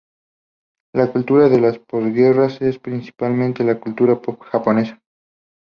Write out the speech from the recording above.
La cultura de la posguerra es principalmente la cultura pop japonesa.